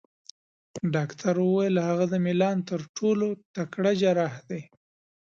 ډاکټر وویل: هغه د میلان تر ټولو تکړه جراح دی.